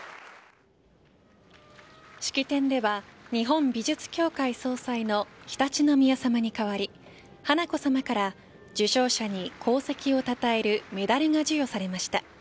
式典では日本美術協会総裁の常陸宮さまに代わり華子さまから受賞者に功績をたたえるメダルが授与されました。